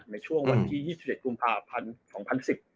ในช่วงวันที่๒๗กุมภาพ๒๐๑๐